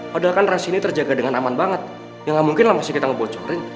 padahal kan ras ini terjaga dengan aman banget ya gak mungkin lah masih kita ngebocorin